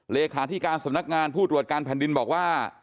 เลขาธิการสำนักงานผู้ตรวจการแผ่นดินบอกว่า